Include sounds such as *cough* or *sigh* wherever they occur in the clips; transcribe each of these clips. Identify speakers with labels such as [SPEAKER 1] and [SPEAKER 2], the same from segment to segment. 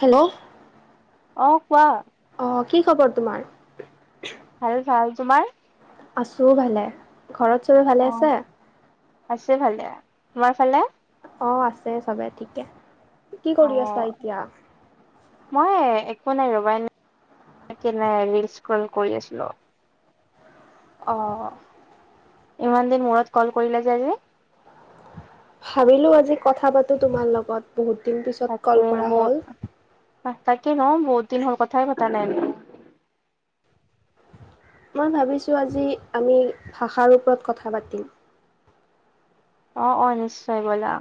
[SPEAKER 1] Hello?
[SPEAKER 2] অ', কোৱা।
[SPEAKER 1] অ', কি খবৰ তোমাৰ?
[SPEAKER 2] ভাল ভাল, তোমাৰ?
[SPEAKER 1] আছোঁ ভালে, ঘৰত চবৰে
[SPEAKER 2] অ
[SPEAKER 1] ভালে আছে?
[SPEAKER 2] আছে ভালে, তোমাৰ ফালে?
[SPEAKER 1] অ', আছে চবে ঠিকে। কি কৰি আছা
[SPEAKER 2] অ'।
[SPEAKER 1] এতিয়া?
[SPEAKER 2] মই একো নাই ৰবা, *unintelligible* ৰিল স্ক্ৰল কৰি আছিলো।
[SPEAKER 1] অ'।
[SPEAKER 2] ইমান দিন মূৰত কল কৰিলা যে আজি?
[SPEAKER 1] ভাবিলো আজি কথা পাতো তোমাৰ লগত। বহুত দিন পিছত কল
[SPEAKER 2] তাকে
[SPEAKER 1] কৰা
[SPEAKER 2] বহুত,
[SPEAKER 1] হ'ল।
[SPEAKER 2] তাকে ন বহুত দিন হ'ল কথাই পতা নাই আমি।
[SPEAKER 1] মই ভাবিছোঁ আজি, আমি ভাষাৰ ওপৰত কথা পাতিম।
[SPEAKER 2] অ', অ', নিশ্চয় বলা।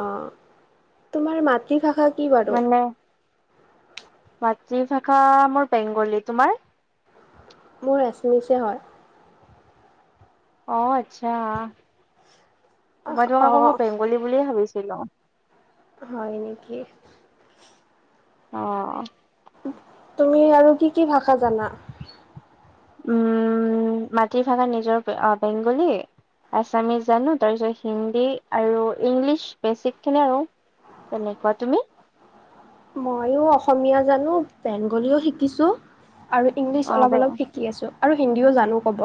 [SPEAKER 1] অ', তোমাৰ মাতৃভাষা কি বাৰু?
[SPEAKER 2] মানে মাতৃভাষা মোৰ বেংগলী তোমাৰ?
[SPEAKER 1] মোৰ এচমিচে হয়।
[SPEAKER 2] অ' আচ্ছা মই তোমাক আকৌ মই
[SPEAKER 1] অঁ
[SPEAKER 2] বেংগলী বুলিয়ে ভাবিছিলো।
[SPEAKER 1] হয় নেকি?
[SPEAKER 2] অ',
[SPEAKER 1] তুমি আৰু কি, কি ভাষা জানা?
[SPEAKER 2] উম, মাতৃভাষা নিজৰ আ বেংগলী আছামিছ জানো, তাৰপিছত হিন্দী আৰু ইংলিছ বেছিকখিনি আৰু। তেনেকুৱা, তুমি?
[SPEAKER 1] ময়ো অসমীয়া জানো, বেংগলীও শিকিছো আৰু ইংলিছ
[SPEAKER 2] অ'
[SPEAKER 1] অলপ
[SPEAKER 2] বে
[SPEAKER 1] অলপ শিকি শিকি আছোঁ আৰু হিন্দীও জানো ক'ব।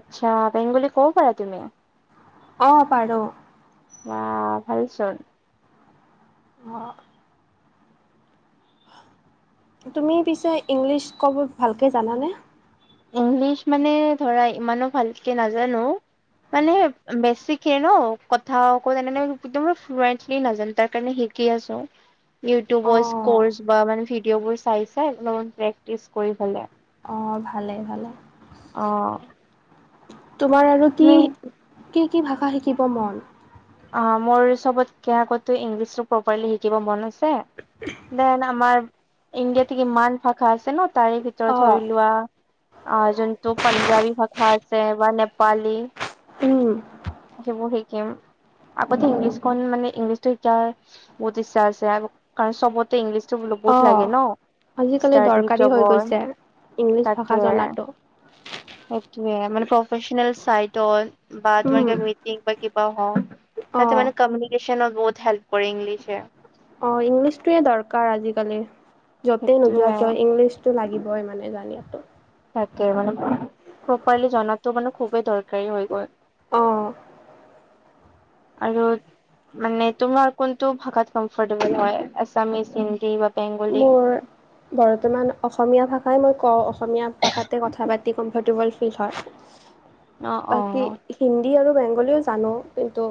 [SPEAKER 2] আচ্ছা, বেংগলি ক'ব পাৰা তুমি?
[SPEAKER 1] অ' পাৰো।
[SPEAKER 2] বা ভালচোন।
[SPEAKER 1] অ', তুমি পিছে ইংলিছ ক'ব ভালকে জানানে?
[SPEAKER 2] ইংলিছ মানে ধৰা, ইমানো ভালকে নাজানো। মানে বেছিকে ন' কথা আকৌ তেনে একদম ফ্লুৱেন্টলি নাজানো তাৰ কাৰণে শিক শিকি আছো। ইউটিউবৰ
[SPEAKER 1] অঁ
[SPEAKER 2] কৰ্চ বা মানে ভিডিঅ'বোৰ চাই, চাই অলপমান প্ৰেক্টিচ কৰিফালে
[SPEAKER 1] অ' ভালেই ভালেই।
[SPEAKER 2] অ',
[SPEAKER 1] তোমাৰ আৰু কি,
[SPEAKER 2] তুমি
[SPEAKER 1] কি, কি ভাষা শিকিব মন?
[SPEAKER 2] আ মোৰ চবতকে আগতে ইংলিছটো প্ৰপাৰলি শিকিব মন আছে।
[SPEAKER 1] *unintelligible*
[SPEAKER 2] দেন আমাৰ ইণ্ডিয়াটোত ইমান ভাষা আছে ন' তাৰে ভিতৰত
[SPEAKER 1] অঁ
[SPEAKER 2] ধৰি লোৱা আ যোনটো পাঞ্জাবী ভাষা আছে বা নেপালী
[SPEAKER 1] উম
[SPEAKER 2] সেইবোৰ শিকিম। আগতে ইংলিছখন মানে ইংলিছটো শিকাৰ বহুত ইচ্ছা আছে, কাৰণ চবতে ইংলিছ চব *unintelligible*
[SPEAKER 1] অঁ
[SPEAKER 2] লাগে ন'
[SPEAKER 1] আজিকালি
[SPEAKER 2] ষ্টাডি
[SPEAKER 1] দৰকাৰী হৈ
[SPEAKER 2] জবৰ,
[SPEAKER 1] গৈছে। ইংলিছ ভাষা
[SPEAKER 2] তাকে
[SPEAKER 1] জনাটো
[SPEAKER 2] সেইটোৱে, মানে, প্ৰফেচনেল চাইটত বা তোমাৰ
[SPEAKER 1] উম
[SPEAKER 2] কিবা মিটিং বা কিবা হওঁক
[SPEAKER 1] অঁ
[SPEAKER 2] তাতে মানে কম্যুনিকেশনত বহুত হেল্প কৰে ইংলিশে।
[SPEAKER 1] অ' ইংলিছটোয়ে দৰকাৰ আজিকালি। য'তেই নোযোৱা
[SPEAKER 2] সেইটোৱে
[SPEAKER 1] কিয়, ইংলিছতটো লাগিবই মানে *unintelligible*
[SPEAKER 2] তাকে মানে, প্ৰপাৰলি জনাটো মানে খুবেই দৰকাৰী হৈ গ'ল।
[SPEAKER 1] অ',
[SPEAKER 2] আৰু, মানে, তোমাৰ কোনটো ভাষাত কমফৰ্টেবল হয় আছামিচ, হিন্দী বা বেংগলী
[SPEAKER 1] মোৰ বৰ্তমান অসমীয়া ভাষাই মই কওঁ, অসমীয়া ভাষাতে কথা পাতি কমফৰ্টেবল ফিল হয়।
[SPEAKER 2] অ অ
[SPEAKER 1] বাকী হিন্দী আৰু বেংগলীও জানো। কিন্তু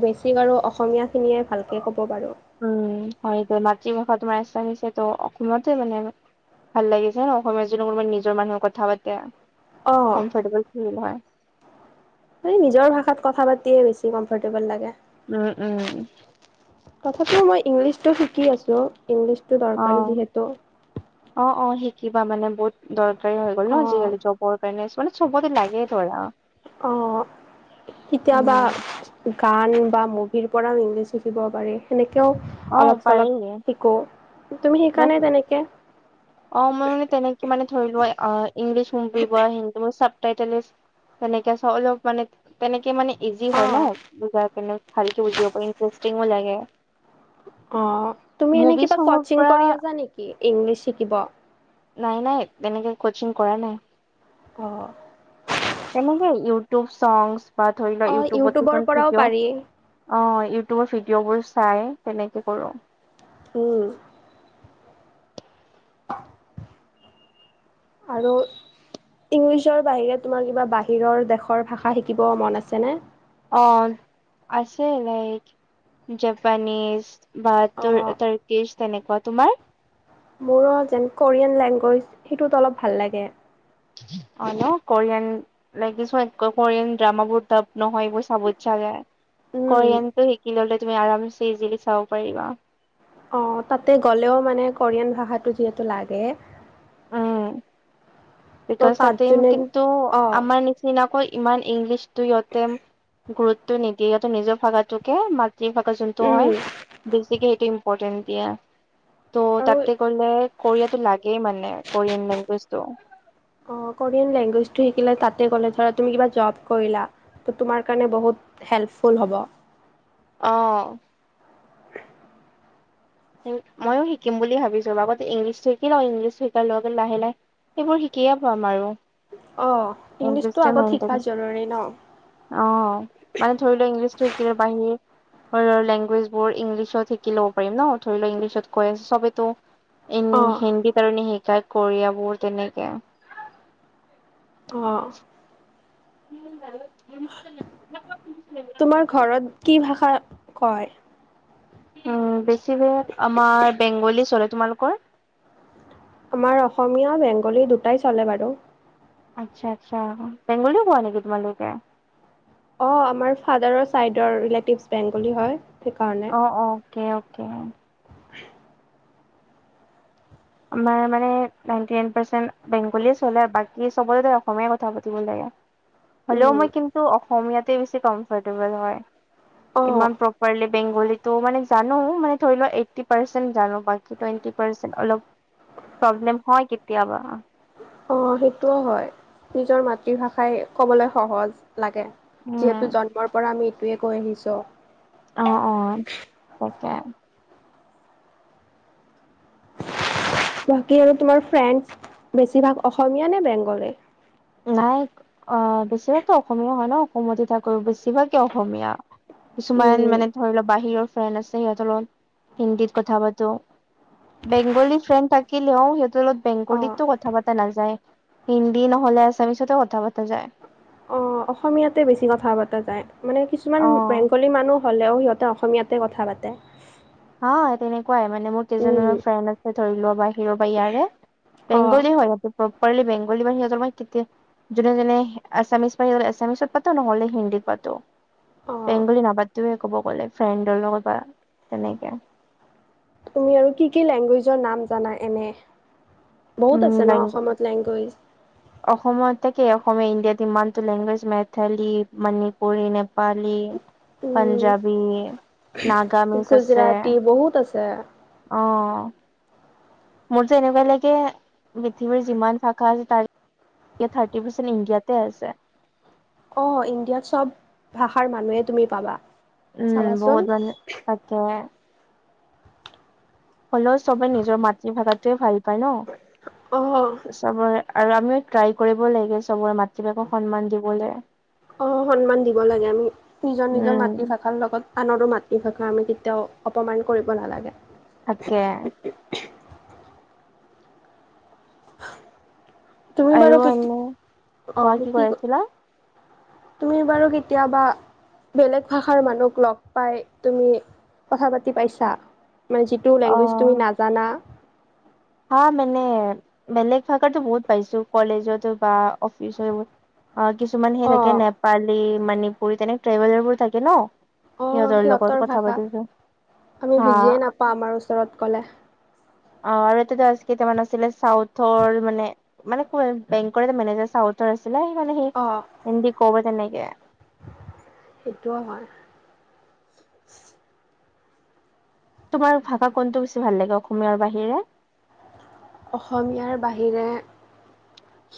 [SPEAKER 1] বেছি বাৰু অসমীয়াখিনিয়ে ভালকে ক'ব পাৰোঁ।
[SPEAKER 2] উম, হয়, মাতৃভাষা তোমাৰ এছামিছে ত' অসমীয়াতে মানে আৰু ভাল লাগিছে ন অসমীয়াত যদি কোনোবা নিজৰ মানুহে কথা পাতে
[SPEAKER 1] অঁ
[SPEAKER 2] কমফৰ্টেবল ফিল হয়।
[SPEAKER 1] এ নিজৰ ভাষাত কথা পাতিয়ে বেছি কমফৰ্টেবল লাগে।
[SPEAKER 2] উম, উম,
[SPEAKER 1] তথাপিও মই ইংলিছতটো শিকি আছোঁ, ইংলিছতটো
[SPEAKER 2] অ
[SPEAKER 1] দৰকাৰী যিহেতু।
[SPEAKER 2] অ, ' অ' শিকিবা মানে বহুত দৰকাৰী হৈ গ'ল ন'
[SPEAKER 1] অঁ
[SPEAKER 2] আজিকালি জবৰ কাৰণে। মানে চবতে লাগে। ধৰা-
[SPEAKER 1] অঁ,
[SPEAKER 2] উম
[SPEAKER 1] কেতিয়াবা- গান বা মুভিৰ পৰাও ইংলিজ শিকিব পাৰি। সেনেকেও-
[SPEAKER 2] অ
[SPEAKER 1] অলপ
[SPEAKER 2] পাৰি
[SPEAKER 1] চলপ শিকো, তুমি শিকা নাই তেনেকে।
[SPEAKER 2] অঁ, মই মানে তেনেকে মানে ধৰি লোৱা ইংলিছ মুভি বা হিন্দী মুভি চাব- টাইটেনিছ, তেনেকে চ অলপ মানে তেনেকে মানে ইজি হয় ন
[SPEAKER 1] অ',
[SPEAKER 2] বুজাৰ পিনে। ভালকে বুজিব পাৰি, ইণ্টাৰেষ্টিংও লাগে।
[SPEAKER 1] অঁ, তুমি এনে
[SPEAKER 2] মুভি
[SPEAKER 1] কিবা
[SPEAKER 2] চঙৰ
[SPEAKER 1] কচিং
[SPEAKER 2] পৰা
[SPEAKER 1] কৰি আছা নেকি ইংলিছ শিকিব?
[SPEAKER 2] নাই নাই তেনেকে কচিং কৰা নাই।
[SPEAKER 1] অঁ।
[SPEAKER 2] তেনেকে ইউটিউব চছ বা ধৰি লোৱা
[SPEAKER 1] অ',
[SPEAKER 2] ইউটিউৱত
[SPEAKER 1] ইউটিউবৰ
[SPEAKER 2] কিছুমান
[SPEAKER 1] পৰাও
[SPEAKER 2] ভিডিঅ'-
[SPEAKER 1] পাৰি
[SPEAKER 2] অঁ, ইউটিউবৰ ভিডিঅ' বোৰ চাই তেনেকে কৰোঁ।
[SPEAKER 1] উম। আৰু- ইংলিছৰ বাহিৰে তোমাৰ কিবা বাহিৰৰ দেশৰ ভাষা শিকিব মন আছেনে?
[SPEAKER 2] অঁ, আছে লাইক জেপানীজ। বা তো
[SPEAKER 1] অ',
[SPEAKER 2] তৰ্কিজ তেনেকুৱা তোমাৰ।
[SPEAKER 1] মোৰ যেন কোৰিয়ান লেংগুৱেজ সেইটোত অলপ ভাল লাগে।
[SPEAKER 2] অঁ ন কোৰিয়ান লেংগুৱেজ এনেকৈ কোৰিয়ান ড্ৰামা বোৰ তাপ নহয় বুজ- ছা চাগে।
[SPEAKER 1] উম।
[SPEAKER 2] কৰিয়ান টো শিকি ললে তুমি আৰাম ইজিলি চাব পাৰিবা।
[SPEAKER 1] অঁ তাতে গ'লেও মানে কোৰিয়ান ভাষাটো যিহেতু লাগে।
[SPEAKER 2] উম
[SPEAKER 1] ত'
[SPEAKER 2] বিকজ
[SPEAKER 1] তাত
[SPEAKER 2] তাতে
[SPEAKER 1] যোনে
[SPEAKER 2] কিন্তু
[SPEAKER 1] অ',
[SPEAKER 2] আমাৰ নি- চিনাকৈ ইমান ইংলিছতটো সিহঁতে গুৰুত্ব নিদিয়ে, সিহঁতে নিজৰ ভাষাটোকে ম- লোকেল ভাষা যোনটো
[SPEAKER 1] উম,
[SPEAKER 2] হয় বেছিকে সেইটো ইম্পৰ্টেণ্ট দিয়ে। ত'
[SPEAKER 1] আৰু
[SPEAKER 2] তাতে গ'লে কোৰিয়াতটো লাগেই মানে কোৰিয়ান লেংগুৱেজটো।
[SPEAKER 1] অঁ, কৰিয়ান লেংগুৱেজ টো শিকিলে তাতে ক'লে ধৰা তুমি কিবা জব কৰিলা- ত তোমাৰ কাৰণে বহুত হেল্পফুল হ'ব।
[SPEAKER 2] অঁ। মইয়ো শিকিম বুলি ভাবিছো। আগতে ইংলিছটো শিকি লওঁ, ইংলিছটো শিকাৰ লগে লাহে লাহে- সেইবোৰ শিকিয়ে পাম আৰু।
[SPEAKER 1] অঁ, ইংলিছটো আগত শিকা জৰুৰী ন।
[SPEAKER 2] অঁ, মানে ধৰি লোৱা ইংলিছতটো শিকিলে বাহি- লেংগুৱেজ বোৰ ইংলিছত শিকি ল'ব পাৰিম ন। ধৰি লোৱাক ইংলিছত কৈ আছে চবেইতো- ই
[SPEAKER 1] অ',
[SPEAKER 2] হিন্দীত কাৰণে শিকায় কৰিয়াবোৰ তেনেকে-
[SPEAKER 1] অঁ।
[SPEAKER 2] কি মিছিল?
[SPEAKER 1] তোমাৰ ঘৰত কি ভাষা কয়?
[SPEAKER 2] উম, বেছিভাগত আমাৰ বেংগলী চলে। তোমালোকৰ?
[SPEAKER 1] আমাৰ অসমীয়া, বেংগলী দুটাই চলে বাৰু।
[SPEAKER 2] আচ্ছা আচ্ছা, বেংগলীও কোৱা নেকি তোমালোকে?
[SPEAKER 1] অঁ, আমাৰ ফাদাৰৰ চাইদৰ ৰিলেটিভ বেংগলী হয়। সেইকাৰণে।
[SPEAKER 2] অঁ, অঁ, অকে অকে। আমাৰ মানে নাইনটি নাইন পাৰ্চেণ্ট বেংগলী চলে আৰু বাকী চবতে অসমীয়াই কথা পাতিব লাগে। *inaudible* হ'লেও
[SPEAKER 1] উম,
[SPEAKER 2] মই কিন্তু অসমীয়াতে বেছি কমফৰ্টেবল হয়।
[SPEAKER 1] অ',
[SPEAKER 2] ইমান প্ৰপাৰলি- বেংগলীতো মানে জানো মানে ধৰি লোৱা এইটি পাৰ্চেন্ট জানো বাকী টুৱেটি পাৰ্চেণ্ট অলপ প্ৰব্লেম হয় কেতিয়াবা
[SPEAKER 1] অ সেইটোও হয় নিজৰ মাতৃভাষাই ক'বলৈ সহজ লাগে
[SPEAKER 2] উম
[SPEAKER 1] যিহেতু জন্মৰ পৰা আমি এইটোৱে কৈ আহিছো
[SPEAKER 2] অ অ তাকে
[SPEAKER 1] বাকী আৰু তোমাৰ ফ্ৰেণ্ড বেছিভাগ অসমীয়া নে বেংগলী
[SPEAKER 2] নাই অ বেছিভাগতো অসমীয়া হয় ন অসমতে থাকো বেছিভাগেই অসমীয়া কিছুমান
[SPEAKER 1] উম,
[SPEAKER 2] মানে ধৰি লওক বাহিৰৰ ফ্ৰেণ্ড আছে সিহঁতৰ লগত হিন্দীত কথা পাতো বেংগলী ফ্ৰেণ্ড থাকিলেও সিহতৰ লগত
[SPEAKER 1] অ'।
[SPEAKER 2] বেংগলীতো কথা পতা নাযায় হিন্দী নহ'লে আছামিছতে কথা পতা যায়
[SPEAKER 1] অ অসমীয়াতে বেছি কথা পতা যায় মানে কিছুমান
[SPEAKER 2] অ
[SPEAKER 1] বেংগলী মানুহ হ'লেও সিহঁতে অসমীয়াতে কথা পাতে
[SPEAKER 2] অ তেনেকুৱাই মানে মোৰ কেইজন
[SPEAKER 1] উম,
[SPEAKER 2] ফ্ৰেণ্ড আছে ধৰি লোৱা বাই বা ইয়াৰে
[SPEAKER 1] অ',
[SPEAKER 2] বেংগলী হয় সিহঁ প্ৰপাৰলি বেংগলী বা সিহঁতৰ কেতিয়া যোনে যোনে আছামিছ পলে আছামিছত পাতও নহ'লে হিন্দীত পাতও
[SPEAKER 1] অ'।
[SPEAKER 2] বেংগলী নাপাতোয়ে ক'ব গ'লে ফ্ৰেণ্ডৰ লগত বা তেনেকে
[SPEAKER 1] তুমি আৰু কি কি লেংগুৱেজৰ নাম জানা এনে বহুত
[SPEAKER 2] উম
[SPEAKER 1] আছে ন
[SPEAKER 2] লেংগু
[SPEAKER 1] অসমত লেংগুৱেজ
[SPEAKER 2] অসমত থাকে অসমীয়া ইণ্ডিয়াত ইমানটো লেংগুৱেজ মেথালী, মণিপুৰী, নেপালী
[SPEAKER 1] উম,
[SPEAKER 2] পাঞ্জাবী, নাগামিজ আছে
[SPEAKER 1] গুজৰাটী বহুত আছে
[SPEAKER 2] অ মোৰতো এনেকুৱা লাগে পৃথিৱীৰ যিমান ভাষা আছে তাৰ এয়া থাৰ্টি পাৰ্চেণ্ট ইণ্ডিয়াতে আছে
[SPEAKER 1] অ ইণ্ডিয়াত চব ভাষাৰ মানুহে তুমি পাবা
[SPEAKER 2] উম
[SPEAKER 1] চাবাচোন।
[SPEAKER 2] বহুত মানে থাকে হলেও চবে নিজৰ মাতৃভাষাটোৱে ভাল পায়
[SPEAKER 1] অ'।
[SPEAKER 2] ন চবৰে আৰু আমিও ট্ৰাই কৰিব লাগে চবৰে ম
[SPEAKER 1] অ সন্মান দিব লাগে আমি নিজৰ নিজৰ
[SPEAKER 2] উম
[SPEAKER 1] মাতৃভাষ ভাষাৰ লগত আনৰো মাতৃভাষা আমি কেতিয়াও অপমান কৰিব নালাগে
[SPEAKER 2] তাকে
[SPEAKER 1] তুমি
[SPEAKER 2] আৰু
[SPEAKER 1] বাৰু
[SPEAKER 2] এনে
[SPEAKER 1] কেতিয়া
[SPEAKER 2] কোৱা
[SPEAKER 1] অ কি
[SPEAKER 2] কৈ
[SPEAKER 1] ক
[SPEAKER 2] আছিলা
[SPEAKER 1] তুমি বাৰু কেতিয়াবা বেলেগ ভাষাৰ মানুহক লগ পাই তুমি কথা পাতি পাইছা মানে টো
[SPEAKER 2] অ
[SPEAKER 1] লেংগুৱেজ তুমি নাজানা
[SPEAKER 2] হা মানে বেলেগ ভাষাতো বহুত পাইছো কলেজতো বা অফিচত অ কিছুমান সেই
[SPEAKER 1] অ
[SPEAKER 2] থাকে নেপালী, মণিপুৰী তেনেক ট্ৰেভেলাৰবোৰ থাকে ন
[SPEAKER 1] অ
[SPEAKER 2] লগত
[SPEAKER 1] সিহঁতৰ
[SPEAKER 2] কথা
[SPEAKER 1] ভাষা
[SPEAKER 2] পাতিছো
[SPEAKER 1] আমি
[SPEAKER 2] হা
[SPEAKER 1] বুজিয়ে নাপাওঁ আমাৰ ওচৰত কলে
[SPEAKER 2] অ আৰু এটা আছিলে‌ তাৰমান আছিলে চাউথৰ মানে মানে বেংকৰ এটা মেনেজাৰ চাউ উ্তৰ আছিলে সেই মানে
[SPEAKER 1] অ
[SPEAKER 2] হিন্দী কব তেনেকে
[SPEAKER 1] সেইটোও হয়
[SPEAKER 2] তোমাৰ ভাষা কোনটো বেছি ভাল লাগে অসমীয়াৰ বাহিৰে
[SPEAKER 1] অসমীয়াৰ বাহিৰে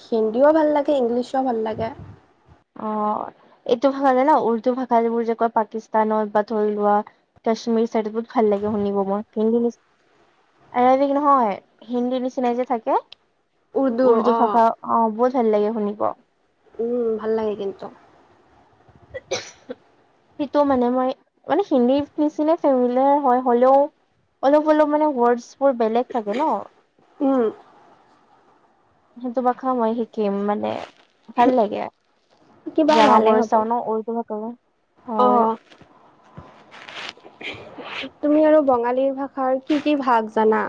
[SPEAKER 1] হিন্দীও ভাল লাগে ইংলিছো ভাল লাগে
[SPEAKER 2] অ এইটো ভাষা উৰ্দু ভাষাবোৰ যে কয় পাকিস্তানত বা ধৰি লোৱা কাশ্মিৰীৰ চাইডত বহুত ভাল লাগে শুনিব মই এৰবিক নহয়, হিন্দীৰ নিচিনাই যে, থাকে। উৰ্দু ভাষা অ', বহুত ভাল লাগে শুনিব।
[SPEAKER 1] উম, ভাল লাগে কিন্তু।
[SPEAKER 2] সেইটো মানে মই মানে হিন্দী নিচিনা ফেমিলাৰ হয়, হ'লেও অলপ, অলপ মানে ৱৰ্ডছবোৰ বেলেগ থাকে ন?
[SPEAKER 1] উম।
[SPEAKER 2] সেইটো ভাষা মই শিকিম মানে, ভাল লাগে।
[SPEAKER 1] কিবা ভালে
[SPEAKER 2] ড্ৰামাবোৰ
[SPEAKER 1] হ'ব
[SPEAKER 2] চাওঁ ন' উৰ্দু‌
[SPEAKER 1] অ
[SPEAKER 2] *unintelligible*
[SPEAKER 1] তুমি আৰু বঙালী ভাষাৰ কি, কি ভাগ জানা?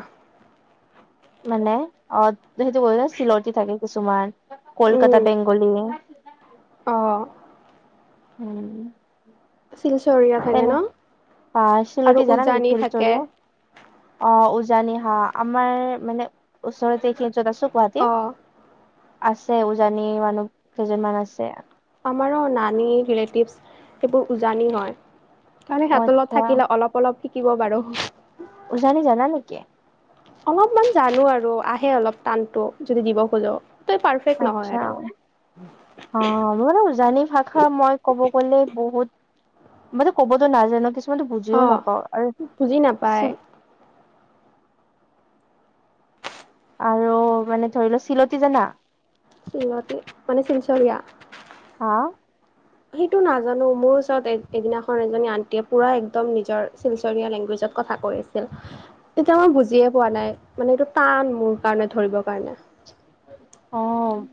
[SPEAKER 2] মানে অ', সেইটো চিলতি থাকে কিছুমান কলকাতা
[SPEAKER 1] উম
[SPEAKER 2] বেংগলী।
[SPEAKER 1] অ'
[SPEAKER 2] উম।
[SPEAKER 1] শিলচৰীয়া থাকে ন
[SPEAKER 2] *unintelligible* অ',
[SPEAKER 1] আৰু
[SPEAKER 2] চিলটি জানা নেকি
[SPEAKER 1] উজানি থাকে
[SPEAKER 2] চিলচোৰিয়া? অ', উজানি হা, আমাৰ মানে ওচৰতে এইখিনি য'ত আছোঁ
[SPEAKER 1] অ
[SPEAKER 2] গুৱাহাটী। আছে, উজানি মানুহ কেইজনমান আছে।
[SPEAKER 1] আমাৰো নানী ৰিলেটিভছ সেইবোৰ উজানি হয়, কাৰণে
[SPEAKER 2] অ
[SPEAKER 1] সিহঁতৰ লগত
[SPEAKER 2] আচ্ছা
[SPEAKER 1] থাকিলে অলপ অলপ শিকিব পাৰোঁ।
[SPEAKER 2] উজানি জানা নেকি?
[SPEAKER 1] অলপমান জানোঁ আৰু, আহে অলপ টানটো যদি দিব খোজোঁ।
[SPEAKER 2] আচছা, অ', মোৰ উজানি ভাষা মই ক'ব গ'লে বহুত মানে ক'বতো নাজানোঁ, কিছুমানো
[SPEAKER 1] অ
[SPEAKER 2] বুজিও নাপাওঁ
[SPEAKER 1] বুজি নাপায়
[SPEAKER 2] আৰু আৰু মানে ধৰি লোৱা চিলতি জানা?
[SPEAKER 1] চিলতি মানে চিলচৰীয়া?
[SPEAKER 2] হা
[SPEAKER 1] সেইটো নাজানোঁ, মোৰ ওচৰত এক-এদিনাখন এজনী আন্টিয়ে পুৰা একদম নিজৰ শিলচৰীয়া লেংগুৱেজত কথা কই তেতিয়া মই বুজিয়ে পোৱা নাই, মানে এইটো টান মোৰ কাৰণে ধৰিবৰ কাৰণে
[SPEAKER 2] অ'।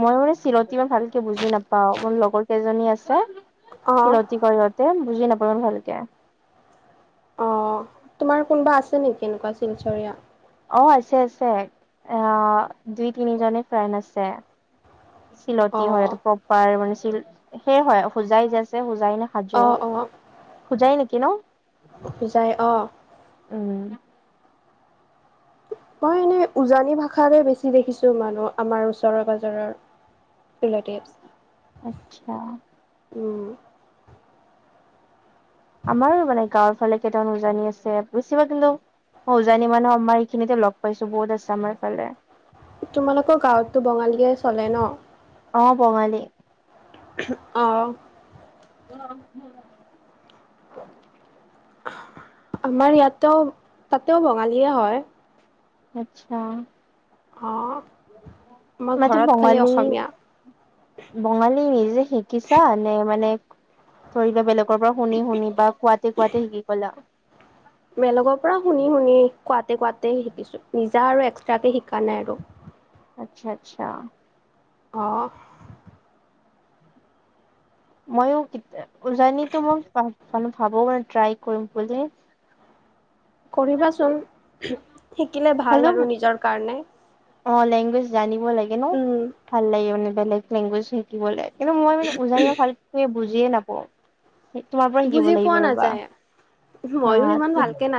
[SPEAKER 2] মই মানে চিলতি ইমান ভালকে বুজি নাপাওঁ, মোৰ লগৰ কেইজনী আছে।
[SPEAKER 1] অ
[SPEAKER 2] চিলতি কয় ইহঁতে বুজি নাপাওঁ ভালকে
[SPEAKER 1] অ', তোমাৰ কোনোবা আছে নেকি এনেকুৱা শিলচৰিয়া?
[SPEAKER 2] অ', আছে, আছে। আ, দুই, তিনিজনী ফ্ৰেণ্ড আছে।
[SPEAKER 1] অ
[SPEAKER 2] চিলতি হয়টো প্ৰপাৰ মানে চিল, সেয় হয়, হোজাই যে, আছে হোজাই না হাজো,
[SPEAKER 1] অ অ
[SPEAKER 2] হোজাই নেকি ন?
[SPEAKER 1] হোজাই অ'।
[SPEAKER 2] উম।
[SPEAKER 1] মই এনেই উজানি ভাষাতে বেছি দেখিছোঁ মানুহ আমাৰ ওচৰৰ পাজৰৰ *unintelligible*
[SPEAKER 2] আতচ্ছা।
[SPEAKER 1] উম।
[SPEAKER 2] আমাৰো মানে গাঁৱৰ ফালে কেইটামান উজানি আছে, বেছিভাগ কিন্তু অ', উজানি মানুহ আমাৰ এইখিনিতে লগ পাইছোঁ বহুত আছে আমাৰ ইফালে
[SPEAKER 1] তোমালোকৰ গাঁৱতো বঙালীয়ে চলে ন?
[SPEAKER 2] অ', বঙালী।
[SPEAKER 1] অ'।
[SPEAKER 2] *unintelligible*
[SPEAKER 1] আমাৰ ইয়াতেও, তাতেও বঙালীয়ে হয়।
[SPEAKER 2] আতছা
[SPEAKER 1] অ আমাৰ
[SPEAKER 2] মতি
[SPEAKER 1] ঘৰত খালি
[SPEAKER 2] বঙালী
[SPEAKER 1] অসমীয়া
[SPEAKER 2] বঙালী নিজে শিকিছা নে মানে ধৰি লৈ বেলেগ কৰ পৰা শুনি, শুনি বা কোৱাতে, কোৱাতে শিকি গলা
[SPEAKER 1] বেলগৰ পৰা শুনি, শুনি, কোৱাতে, কোৱাতে শিকিছো নিজা আৰু এক্সট্ৰাকে শিকা নাই আৰু
[SPEAKER 2] আচ্ছা, আচ্ছা
[SPEAKER 1] অ'
[SPEAKER 2] ময়ো কিত অ', উজানিতে মই মান ভাবো মানে ট্ৰাই কৰিম বুলি *inaudible*
[SPEAKER 1] কৰিবাচোন, শিকিলে ভাল
[SPEAKER 2] হ'লেও
[SPEAKER 1] আৰু নিজৰ কাৰণে
[SPEAKER 2] অ', লেংগুৱেজ জানিব লাগে ন,
[SPEAKER 1] উম
[SPEAKER 2] ভাল লাগে মানে বেলেগ লেংগুৱেজ শিকিবলে। কিন্তু মই মানে উজানিয়া ভালকে বুজিয়ে নাপাওঁ। সে তোমাৰ পৰা শিকিব
[SPEAKER 1] বুজি
[SPEAKER 2] লাগিব
[SPEAKER 1] পোৱা
[SPEAKER 2] ৰ'বা
[SPEAKER 1] নাযায় ময়ো ইমান
[SPEAKER 2] অ'
[SPEAKER 1] ভালকে
[SPEAKER 2] *unintelligible*
[SPEAKER 1] না